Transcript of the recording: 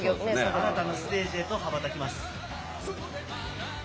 新たなステージへと羽ばたきます。